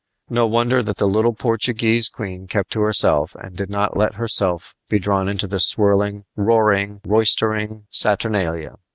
No wonder that the little Portuguese queen kept to herself and did not let herself be drawn into this swirling, roaring, roistering saturnalia.